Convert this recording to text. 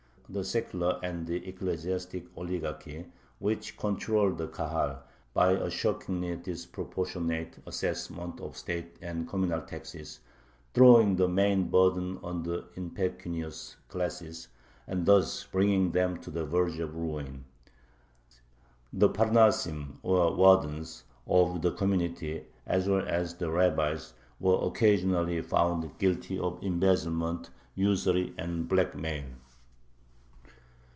The secular and the ecclesiastic oligarchy, which controlled the Kahal, victimized the community by a shockingly disproportionate assessment of state and communal taxes, throwing the main burden on the impecunious classes, and thus bringing them to the verge of ruin. The parnasim, or wardens, of the community, as well as the rabbis, were occasionally found guilty of embezzlement, usury, and blackmail.